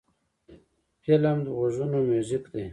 فلم د غوږونو میوزیک دی